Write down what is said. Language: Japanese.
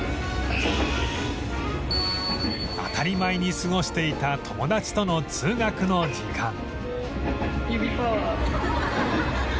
当たり前に過ごしていた友達との通学の時間